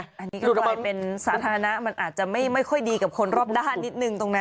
อันนี้คือรอยเป็นสาธารณะมันอาจจะไม่ค่อยดีกับคนรอบด้านนิดนึงตรงนั้น